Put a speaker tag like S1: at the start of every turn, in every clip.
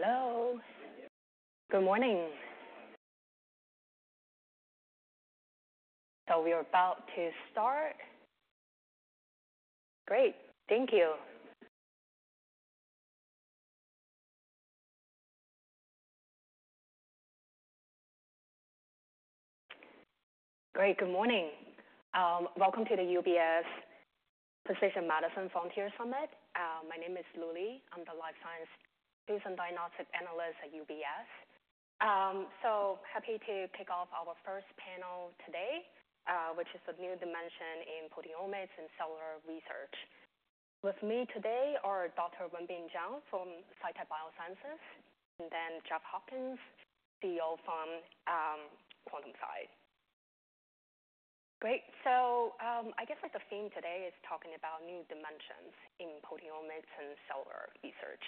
S1: Hello. Good morning. We are about to start. Great. Thank you. Great. Good morning. Welcome to the UBS Precision Medicine Frontier Summit. My name is Lu Li. I'm the Life Science Patient Diagnostic Analyst at UBS. So happy to kick off our first panel today, which is a new dimension in proteomics and cellular research. With me today are Dr. Wenbin Jiang from Cytek Biosciences, and then Jeff Hawkins, CEO from Quantum-Si. Great. I guess the theme today is talking about new dimensions in proteomics and cellular research.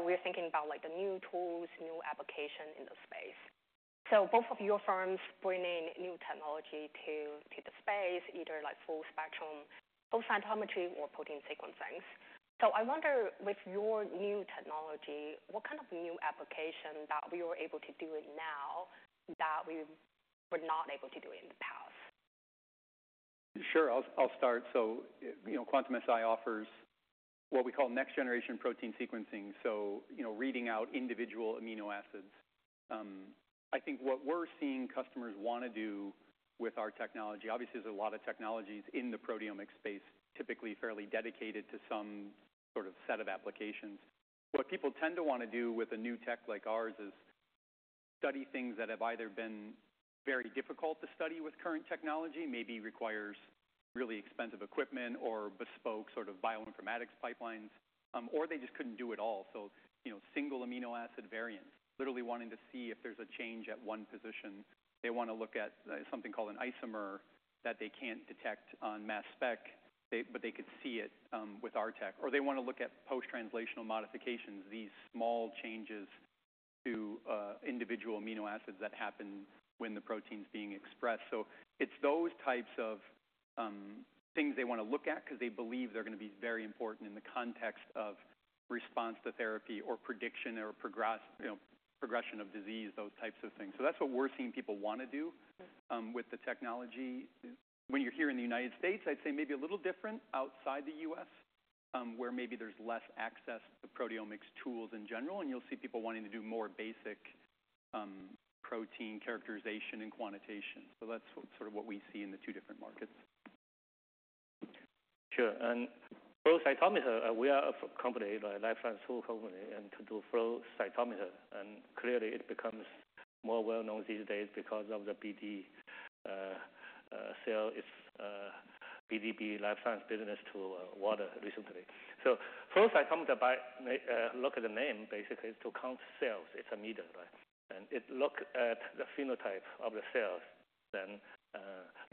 S1: We're thinking about the new tools, new applications in the space. Both of your firms bring in new technology to the space, either full spectral profiling flow cytometry or protein sequencing. I wonder, with your new technology, what kind of new applications that we are able to do now that we were not able to do in the past?
S2: Sure. I'll start. Quantum-Si offers what we call next-generation protein sequencing, reading out individual amino acids. What we're seeing customers want to do with our technology, obviously, there's a lot of technologies in the proteomics space typically fairly dedicated to some sort of set of applications. What people tend to want to do with a new tech like ours is study things that have either been very difficult to study with current technology, maybe requires really expensive equipment or bespoke sort of bioinformatics pipelines, or they just couldn't do it at all. Single amino acid variants, literally wanting to see if there's a change at one position. They want to look at something called an isomer that they can't detect on mass spec, but they could see it with our tech. They want to look at post-translational modifications, these small changes to individual amino acids that happen when the protein is being expressed. It's those types of things they want to look at because they believe they're going to be very important in the context of response to therapy or prediction or progression of disease, those types of things. That's what we're seeing people want to do with the technology. When you're here in the U.S., I'd say maybe a little different outside the U.S., where maybe there's less access to proteomics tools in general, and you'll see people wanting to do more basic protein characterization and quantitations. That's what we see in the two different markets.
S3: Sure. We are a company, a life science tool company, and we do flow cytometer, and clearly it becomes more well-known these days because of the BD sales, BDB Life Science business to water recently. Flow cytometer, by look at the name, basically, it's to count cells. It's a [meter], right? It looks at the phenotype of the cells, then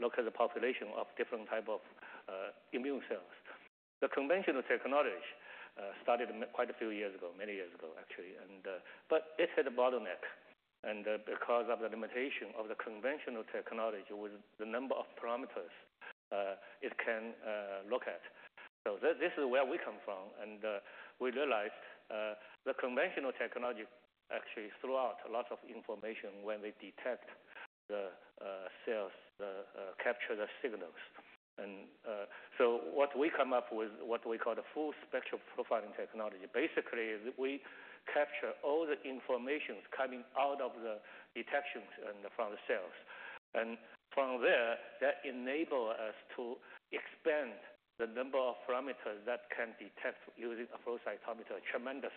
S3: looks at the population of different types of immune cells. The conventional technology started quite a few years ago, many years ago, actually. It had a bottleneck because of the limitation of the conventional technology with the number of parameters it can look at. This is where we come from. We realized the conventional technology actually threw out lots of information when they detect the cells, capture the signals. What we come up with, what we call the full spectral profiling technology, basically, we capture all the information coming out of the detections and from the cells. From there, that enables us to expand the number of parameters that can detect using a flow cytometer, tremendous.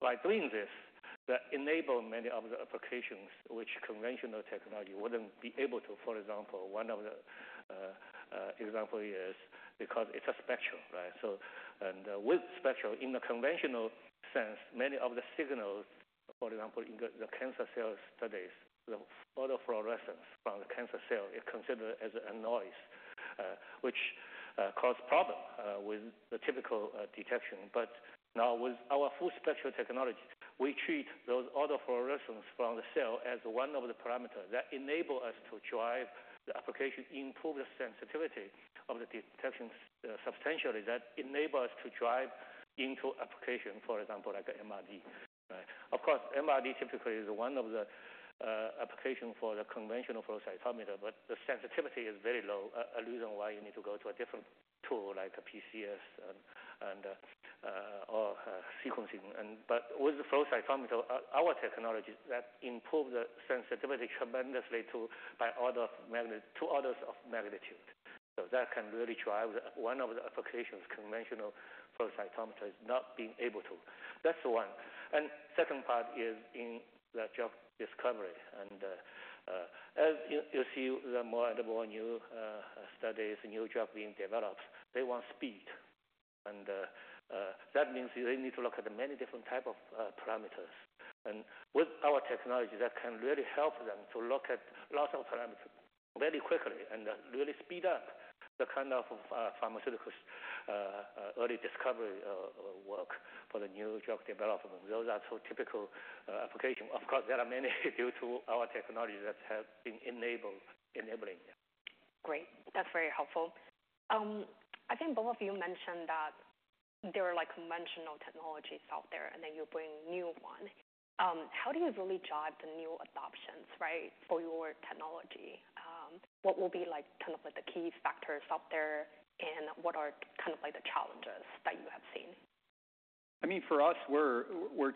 S3: By doing this, that enables many of the applications which conventional technology wouldn't be able to. For example, one of the examples is because it's a spectrum, right? With spectrum in the conventional sense, many of the signals, for example, in the cancer cell studies, the autofluorescence from the cancer cell is considered as a noise, which causes problems with the typical detection. Now with our full spectral technology, we treat those autofluorescence from the cell as one of the parameters that enable us to drive the application, improve the sensitivity of the detections substantially, that enable us to drive into application, for example, like MRD, right? Of course, MRD typically is one of the applications for the conventional flow cytometer, but the sensitivity is very low, a reason why you need to go to a different tool like PCS and or sequencing. With the flow cytometer, our technology that improves the sensitivity tremendously to orders of magnitude. That can really drive one of the applications conventional flow cytometers is not being able to. That's one. The second part is in the drug discovery. As you see, the more and more new studies, new drugs being developed, they want speed. That means they need to look at many different types of parameters. With our technology, that can really help them to look at lots of parameters very quickly and really speed up the kind of pharmaceutical early discovery work for the new drug development. Those are two typical applications. Of course, there are many due to our technology that have been enabling. Yeah.
S1: Great. That's very helpful. I think both of you mentioned that there are conventional technologies out there, and then you bring new ones. How do you really drive the new adoptions, right, for your technology? What will be like kind of like the key factors out there, and what are kind of like the challenges that you have seen?
S2: I mean, for us, we're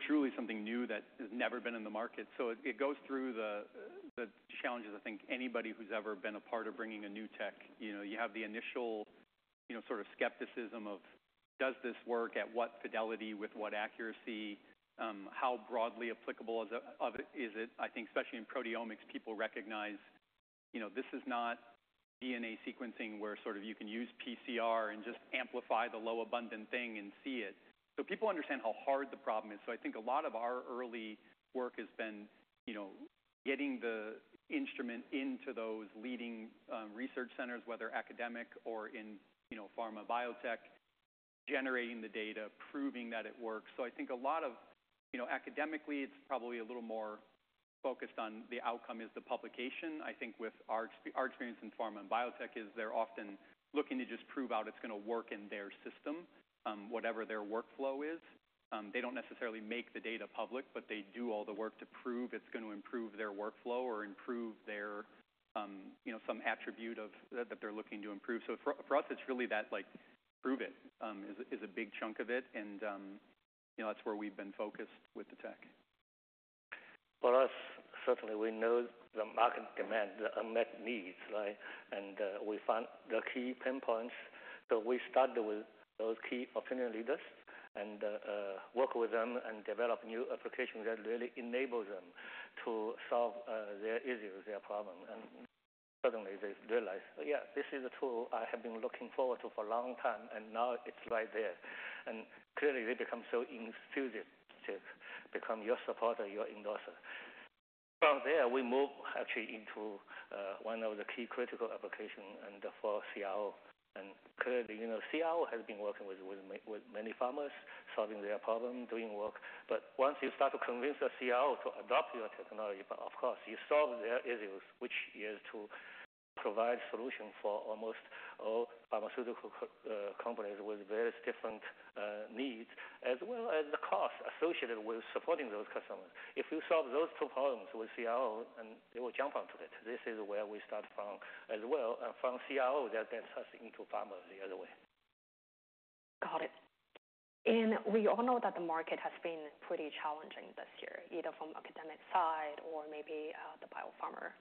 S2: truly something new that has never been in the market. It goes through the challenges, I think, anybody who's ever been a part of bringing a new tech. You have the initial, you know, sort of skepticism of, does this work, at what fidelity, with what accuracy, how broadly applicable is it? I think especially in proteomics, people recognize this is not DNA sequencing where you can use PCR and just amplify the low abundant thing and see it. People understand how hard the problem is. I think a lot of our early work has been getting the instrument into those leading research centers, whether academic or in pharma biotech, generating the data, proving that it works. Academically, it's probably a little more focused on the outcome is the publication. I think with our experience in pharma and biotech, they're often looking to just prove out it's going to work in their system, whatever their workflow is. They don't necessarily make the data public, but they do all the work to prove it's going to improve their workflow or improve some attribute that they're looking to improve. For us, it's really that like prove it is a big chunk of it. That's where we've been focused with the tech.
S3: For us, certainly, we know the market demand, the unmet needs, right? We found the key pinpoints. We started with those key opinion leaders and worked with them and developed new applications that really enable them to solve their issues, their problems. Suddenly, they realize, yeah, this is a tool I have been looking forward to for a long time, and now it's right there. Clearly, they become so enthusiastic to become your supporter, your endorser. From there, we move actually into one of the key critical applications and for CRO. Clearly, you know, CRO has been working with many pharma, solving their problem, doing work. Once you start to convince the CRO to adopt your technology, of course, you solve their issues, which is to provide solutions for almost all pharmaceutical companies with various different needs, as well as the cost associated with supporting those customers. If you solve those two problems with CRO, they will jump onto it. This is where we start from as well. From CRO, that gets us into pharma the other way.
S1: Got it. We all know that the market has been pretty challenging this year, either from the academic side or maybe the biopharma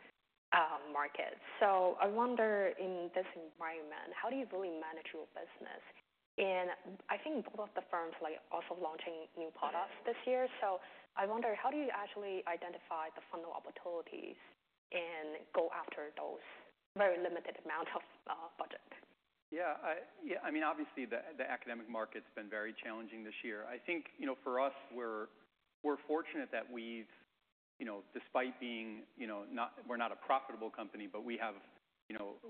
S1: market. I wonder, in this environment, how do you really manage your business? I think both of the firms are also launching new products this year. I wonder, how do you actually identify the funding opportunities and go after those very limited amounts of budget?
S2: Yeah. I mean, obviously, the academic market's been very challenging this year. I think for us, we're fortunate that we've, despite being not, we're not a profitable company, but we have,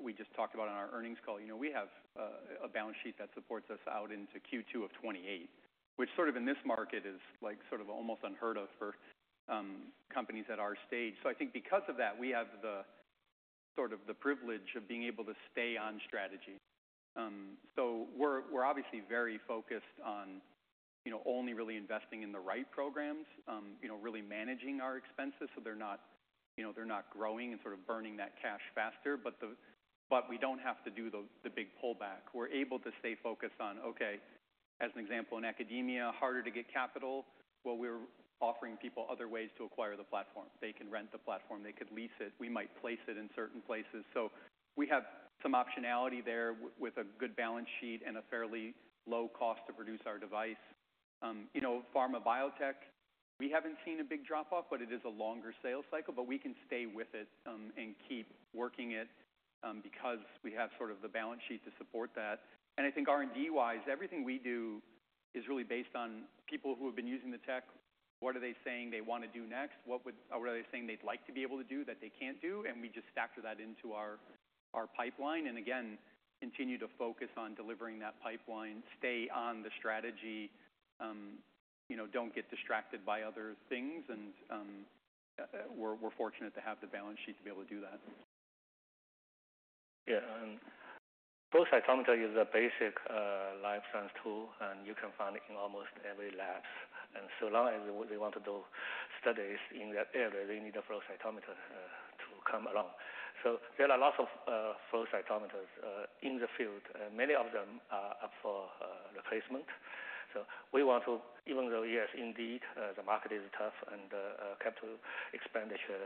S2: we just talked about in our earnings call, we have a balance sheet that supports us out into Q2 of 2028, which in this market is almost unheard of for companies at our stage. I think because of that, we have the privilege of being able to stay on strategy. We're obviously very focused on only really investing in the right programs, really managing our expenses so they're not growing and burning that cash faster. We don't have to do the big pullback. We're able to stay focused on, OK, as an example, in academia, harder to get capital. We're offering people other ways to acquire the platform. They can rent the platform. They could lease it. We might place it in certain places. We have some optionality there with a good balance sheet and a fairly low cost to produce our device. Pharma biotech, we haven't seen a big drop-off, but it is a longer sales cycle. We can stay with it and keep working it because we have the balance sheet to support that. I think R&D-wise, everything we do is really based on people who have been using the tech. What are they saying they want to do next? What are they saying they'd like to be able to do that they can't do? We just factor that into our pipeline and continue to focus on delivering that pipeline, stay on the strategy, don't get distracted by other things. We're fortunate to have the balance sheet to be able to do that.
S3: Yeah. Flow cytometry is a basic life science tool, and you can find it in almost every lab. Now, if they want to do studies in that area, they need a flow cytometer to come along. There are lots of flow cytometers in the field, and many of them are up for replacement. We want to, even though, yes, indeed, the market is tough and the capital expenditure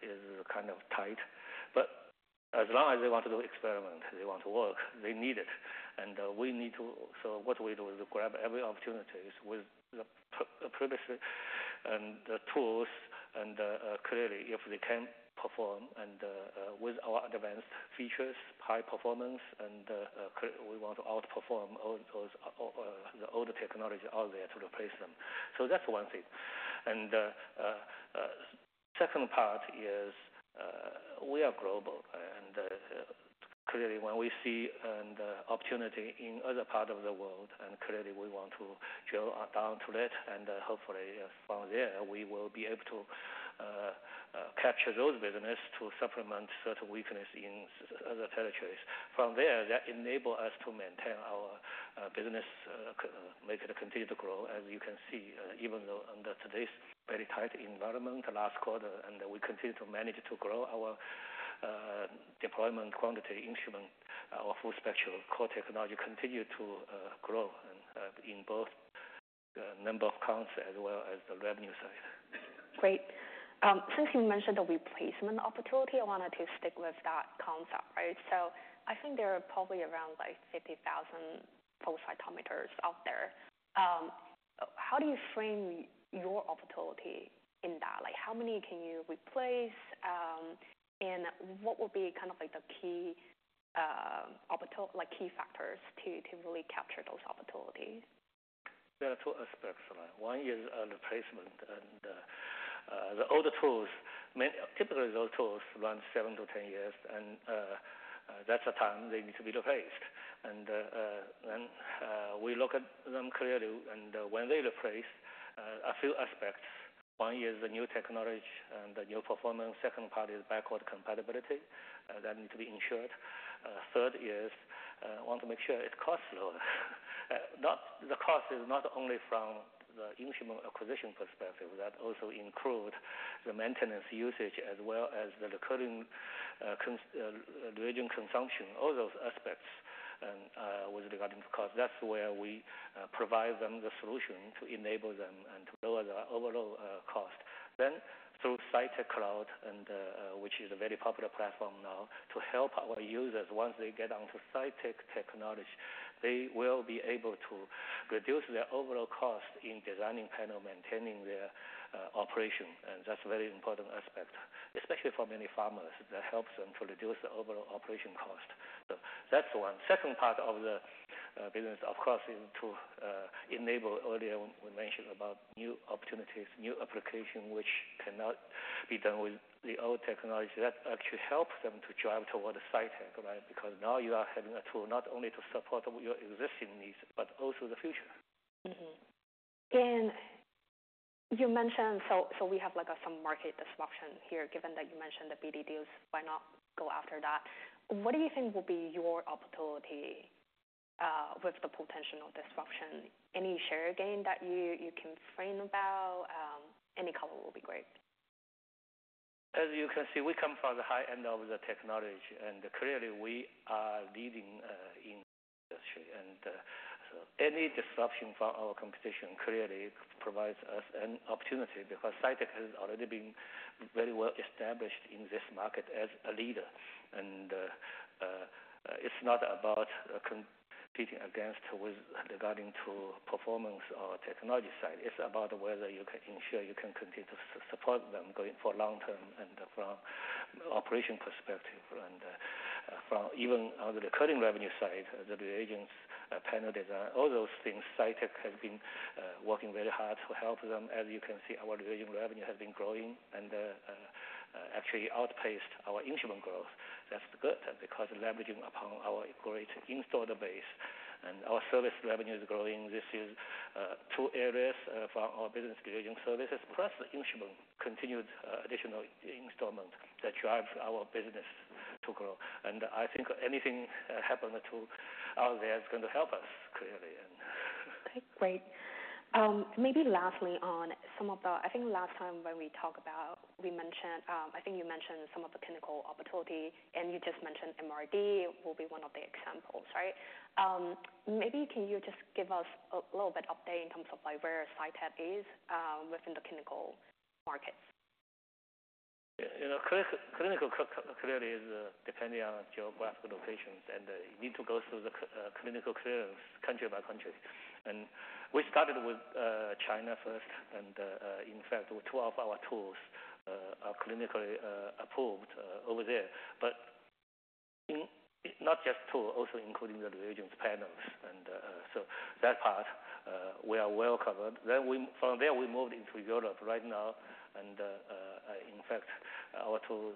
S3: is kind of tight, as long as they want to do experiments, they want to work, they need it. We need to grab every opportunity with the privacy and the tools. Clearly, if they can perform and with our advanced features, high performance, we want to outperform all the older technologies out there to replace them. That's one thing. The second part is we are global. Clearly, when we see an opportunity in other parts of the world, we want to drill down to it. Hopefully, from there, we will be able to capture those businesses to supplement certain weaknesses in other territories. From there, that enables us to maintain our business, make it continue to grow. As you can see, even though under today's very tight environment last quarter, we continue to manage to grow our deployment quantity instrument, our full spectral core technology continues to grow in both the number of counts as well as the revenue side.
S1: Great. Since you mentioned the replacement opportunity, I wanted to stick with that concept, right? I think there are probably around 50,000 flow cytometers out there. How do you frame your opportunity in that? How many can you replace, and what would be the key opportunity, key factors to really capture those opportunities?
S3: There are two aspects. One is replacement. The older tools, typically, those tools run seven to 10 years, and that's the time they need to be replaced. We look at them clearly. When they replace, a few aspects. One is the new technology and the new performance. The second part is backward compatibility that needs to be ensured. Third is we want to make sure it costs lower. The cost is not only from the instrument acquisition perspective. That also includes the maintenance usage as well as the recurring consumption, all those aspects. With regarding the cost, that's where we provide them the solution to enable them and to lower the overall cost. Through Cytek Cloud, which is a very popular platform now, to help our users, once they get onto Cytek technology, they will be able to reduce their overall cost in designing panels, maintaining their operation. That's a very important aspect, especially for many farmers. That helps them to reduce the overall operation cost. That's one. The second part of the business, of course, is to enable, earlier we mentioned about new opportunities, new applications which cannot be done with the old technology. That actually helps them to drive towards Cytek, right? Because now you are having a tool not only to support your existing needs, but also the future.
S1: You mentioned we have some market disruption here, given that you mentioned the BD deals. Why not go after that? What do you think will be your opportunity with the potential disruption? Any share gain that you can frame about? Any color will be great.
S3: As you can see, we come from the high end of the technology, and clearly, we are leading in the industry. Any disruption from our competition clearly provides us an opportunity because Cytek has already been very well established in this market as a leader. It is not about competing against regarding performance or technology side. It is about whether you can ensure you can continue to support them going for long term and from an operation perspective. Even on the recurring revenue side, the reagents, panel design, all those things, Cytek has been working very hard to help them. As you can see, our reagent revenue has been growing and actually outpaced our instrument growth. That is good because leveraging upon our great installed base and our service revenue is growing. This is two areas from our business, reagent services plus the instrument continued additional installment, that drives our business to grow. I think anything happening out there is going to help us clearly.
S1: Great. Maybe lastly, on some of the, I think last time when we talked about, we mentioned, I think you mentioned some of the clinical opportunities, and you just mentioned MRD will be one of the examples, right? Maybe can you just give us a little bit of update in terms of like where Cytek is within the clinical markets?
S3: Yeah. You know, clinical clearly is depending on geographic locations, and you need to go through the clinical clearance country by country. We started with China first. In fact, two of our tools are clinically approved over there, not just tools, also including the reagent panels. That part, we are well covered. From there, we moved into Europe right now. In fact, our tool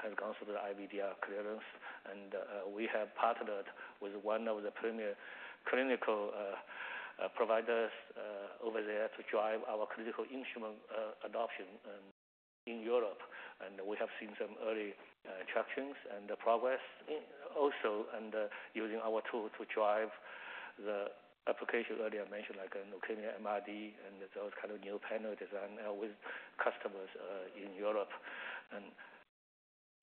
S3: has gone through the IVD-R clearance, and we have partnered with one of the premier clinical providers over there to drive our clinical instrument adoption in Europe. We have seen some early traction and progress also, using our tool to drive the application earlier mentioned, like MRD and those kind of new panel designs with customers in Europe.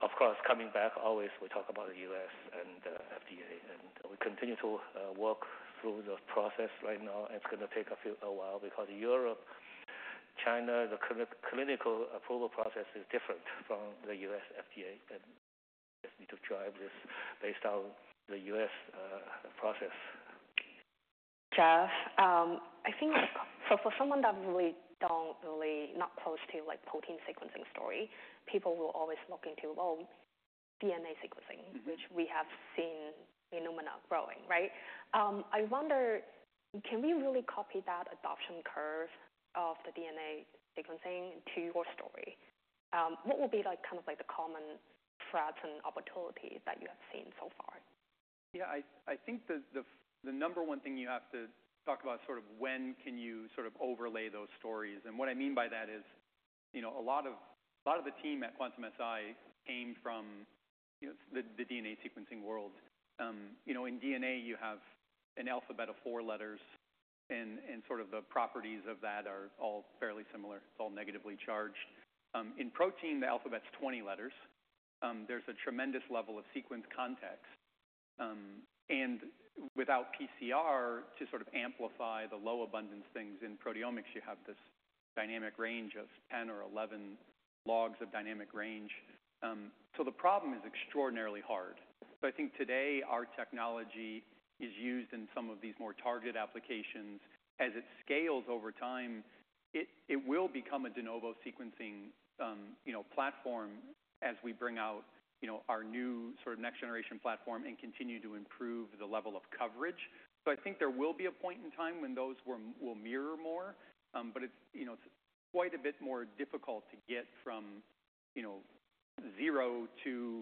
S3: Of course, coming back, always we talk about the U.S. and FDA. We continue to work through the process right now. It's going to take a while because Europe, China, the clinical approval process is different from the U.S. FDA, and we need to drive this based on the U.S. process.
S1: Jeff, I think for someone that really is not really close to like protein sequencing story, people will always look into, well, DNA sequencing, which we have seen in Illumina growing, right? I wonder, can we really copy that adoption curve of the DNA sequencing to your story? What would be like kind of like the common threats and opportunities that you have seen so far?
S2: Yeah, I think the number one thing you have to talk about is sort of when can you sort of overlay those stories. What I mean by that is, a lot of the team at Quantum-Si came from the DNA sequencing world. In DNA, you have an alphabet of four letters, and the properties of that are all fairly similar. It's all negatively charged. In protein, the alphabet's 20 letters. There's a tremendous level of sequence context. Without PCR to amplify the low abundance things in proteomics, you have this dynamic range of 10 or 11 logs of dynamic range. The problem is extraordinarily hard. I think today our technology is used in some of these more targeted applications. As it scales over time, it will become a de novo sequencing platform as we bring out our new next-generation platform and continue to improve the level of coverage. I think there will be a point in time when those will mirror more. It's quite a bit more difficult to get from zero to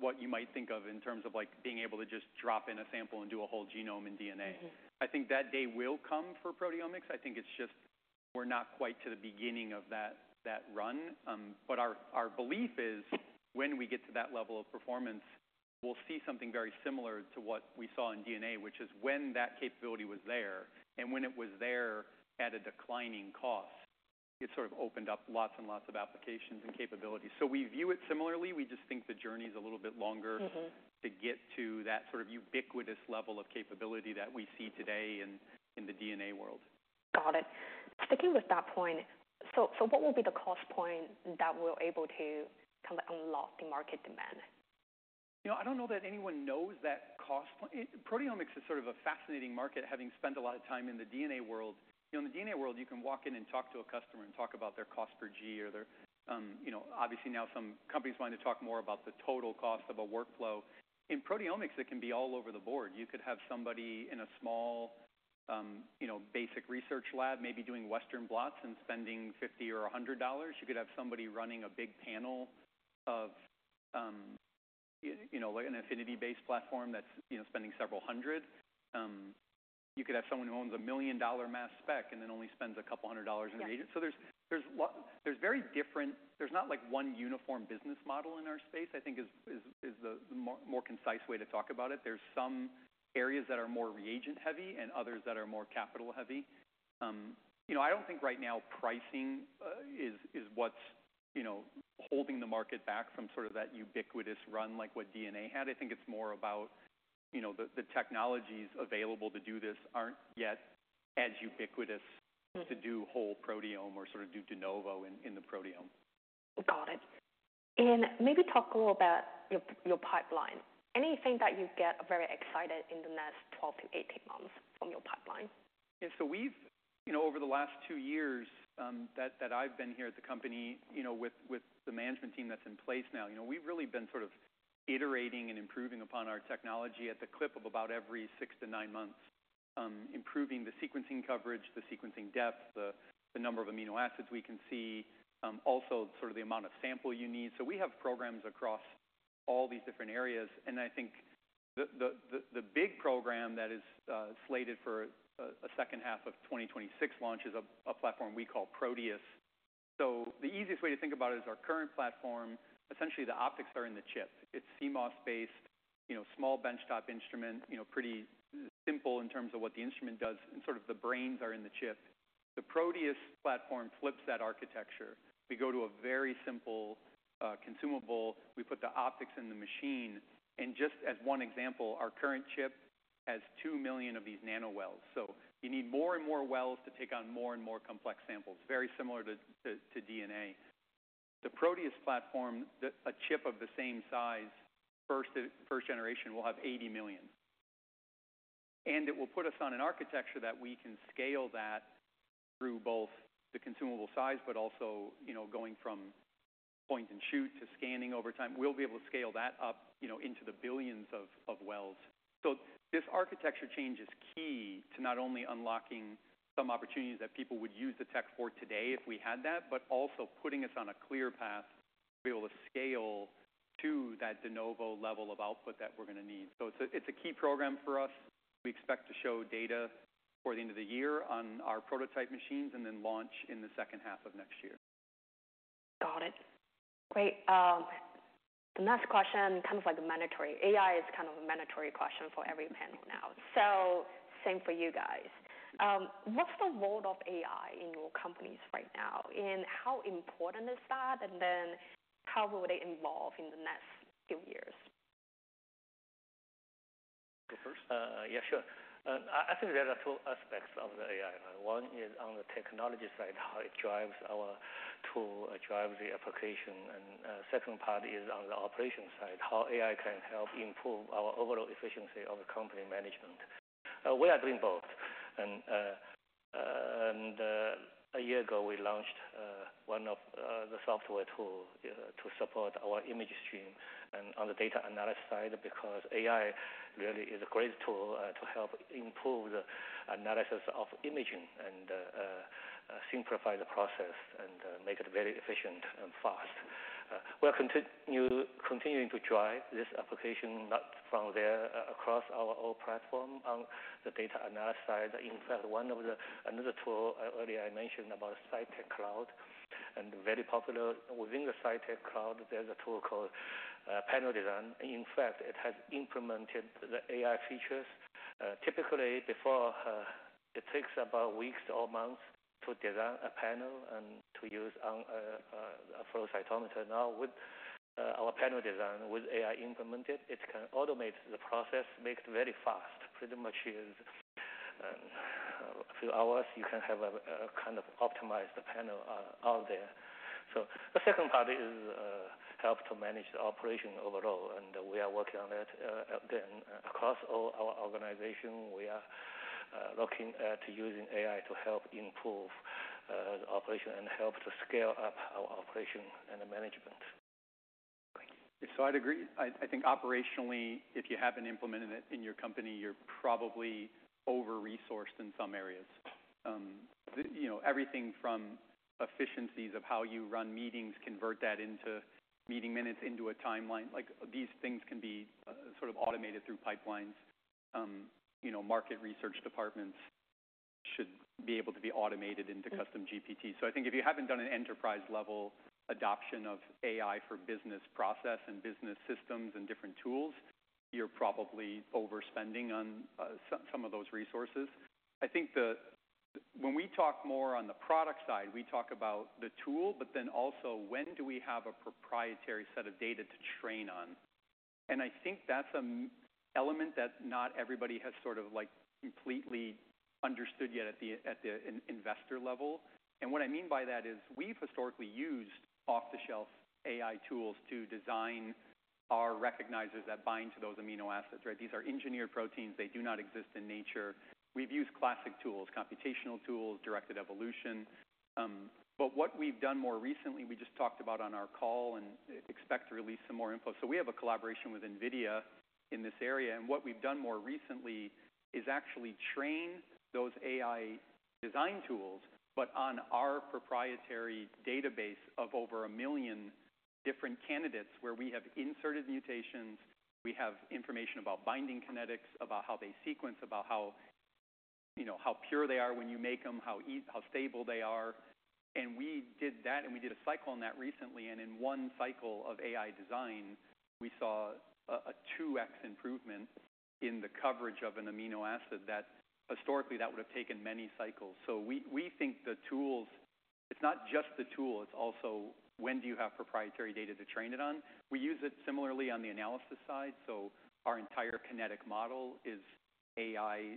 S2: what you might think of in terms of being able to just drop in a sample and do a whole genome in DNA. I think that day will come for proteomics. I think it's just we're not quite to the beginning of that run. Our belief is when we get to that level of performance, we'll see something very similar to what we saw in DNA, which is when that capability was there, and when it was there at a declining cost, it opened up lots and lots of applications and capabilities. We view it similarly. We just think the journey is a little bit longer to get to that ubiquitous level of capability that we see today in the DNA world.
S1: Got it. Sticking with that point, what will be the cost point that we're able to kind of unlock the market demand?
S2: I don't know that anyone knows that cost point. Proteomics is sort of a fascinating market, having spent a lot of time in the DNA world. In the DNA world, you can walk in and talk to a customer and talk about their cost per G or their, you know, obviously now some companies want to talk more about the total cost of a workflow. In proteomics, it can be all over the board. You could have somebody in a small, basic research lab maybe doing Western blots and spending $50 or $100. You could have somebody running a big panel of, like an affinity-based platform that's spending several hundred. You could have someone who owns a million-dollar mass spec and then only spends a couple hundred dollars in reagents. There is very different, there's not like one uniform business model in our space, I think is the more concise way to talk about it. There are some areas that are more reagent-heavy and others that are more capital-heavy. I don't think right now pricing is what's holding the market back from that ubiquitous run like what DNA had. I think it's more about the technologies available to do this aren't yet as ubiquitous to do whole proteome or sort of do de novo in the proteome.
S1: Got it. Maybe talk a little about your pipeline. Anything that you get very excited in the next 12-18 months from your pipeline?
S2: Yeah, over the last two years that I've been here at the company, with the management team that's in place now, we've really been iterating and improving upon our technology at the clip of about every six to nine months, improving the sequencing coverage, the sequencing depth, the number of amino acids we can see, also the amount of sample you need. We have programs across all these different areas. I think the big program that is slated for a second half of 2026 launch is a platform we call Proteus. The easiest way to think about it is our current platform, essentially the optics are in the chip. It's CMOS-based, small benchtop instrument, pretty simple in terms of what the instrument does, and the brains are in the chip. The Proteus platform flips that architecture. We go to a very simple consumable. We put the optics in the machine. Just as one example, our current chip has 2 million of these nanowells. You need more and more wells to take on more and more complex samples, very similar to DNA. The Proteus platform, a chip of the same size, first generation, will have 80 million. It will put us on an architecture that we can scale that through both the consumable size, but also going from point and shoot to scanning over time. We'll be able to scale that up into the billions of wells. This architecture change is key to not only unlocking some opportunities that people would use the tech for today if we had that, but also putting us on a clear path to be able to scale to that de novo level of output that we're going to need. It's a key program for us. We expect to show data toward the end of the year on our prototype machines and then launch in the second half of next year.
S1: Great. The next question, kind of like a mandatory, AI is kind of a mandatory question for every panel now. Same for you guys. What's the role of AI in your companies right now? How important is that? How will they evolve in the next few years?
S3: Yeah, sure. I think there are two aspects of the AI. One is on the technology side, how it drives our tool, drives the application. The second part is on the operation side, how AI can help improve our overall efficiency of the company management. We are doing both. A year ago, we launched one of the software tools to support our image stream. On the data analysis side, because AI really is a great tool to help improve the analysis of imaging and simplify the process and make it very efficient and fast. We are continuing to drive this application from there across our own platform on the data analysis side. In fact, another tool earlier I mentioned about Cytek Cloud and very popular within the Cytek Cloud, there's a tool called panel design. In fact, it has implemented the AI features. Typically, before, it takes about weeks or months to design a panel and to use a flow cytometer. Now, with our panel design, with AI implemented, it can automate the process, make it very fast. Pretty much in a few hours, you can have a kind of optimized panel out there. The second part is help to manage the operation overall. We are working on that. Across all our organizations, we are looking at using AI to help improve the operation and help to scale up our operation and management.
S2: I'd agree. I think operationally, if you haven't implemented it in your company, you're probably over-resourced in some areas. Everything from efficiencies of how you run meetings, convert that into meeting minutes, into a timeline. These things can be sort of automated through pipelines. Market research departments should be able to be automated into custom GPT. I think if you haven't done an enterprise-level adoption of AI for business process and business systems and different tools, you're probably overspending on some of those resources. I think when we talk more on the product side, we talk about the tool, but then also when do we have a proprietary set of data to train on? I think that's an element that not everybody has completely understood yet at the investor level. What I mean by that is we've historically used off-the-shelf AI tools to design our recognizers that bind to those amino acids, right? These are engineered proteins. They do not exist in nature. We've used classic tools, computational tools, directed evolution. What we've done more recently, we just talked about on our call and expect to release some more info. We have a collaboration with NVIDIA in this area. What we've done more recently is actually train those AI design tools, but on our proprietary database of over a million different candidates where we have inserted mutations. We have information about binding kinetics, about how they sequence, about how pure they are when you make them, how stable they are. We did that, and we did a cycle on that recently. In one cycle of AI design, we saw a 2x improvement in the coverage of an amino acid that historically would have taken many cycles. We think the tools, it's not just the tool. It's also when do you have proprietary data to train it on? We use it similarly on the analysis side. Our entire kinetic model is AI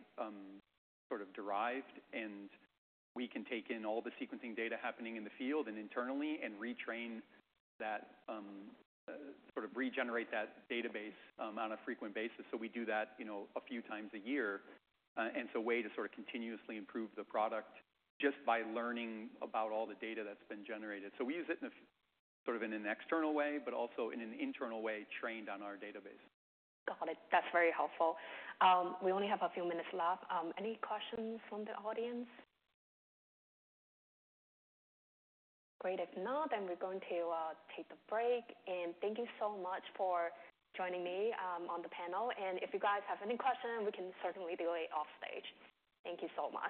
S2: sort of derived. We can take in all the sequencing data happening in the field and internally and retrain that, sort of regenerate that database on a frequent basis. We do that a few times a year. It's a way to continuously improve the product just by learning about all the data that's been generated. We use it in sort of an external way, but also in an internal way trained on our database.
S1: Got it. That's very helpful. We only have a few minutes left. Any questions from the audience? Great. If not, we're going to take a break. Thank you so much for joining me on the panel. If you guys have any questions, we can certainly do it off stage. Thank you so much.